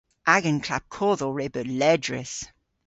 Agan klapkodhow re beu ledrys.